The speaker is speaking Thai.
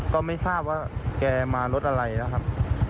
ก็ไม่ทราบว่าแกมารถอะไรนะครับ